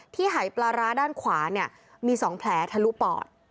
หายปลาร้าด้านขวาเนี่ยมี๒แผลทะลุปอด